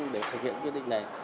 để thực hiện quyết định này